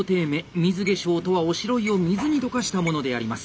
水化粧とはおしろいを水に溶かしたものであります。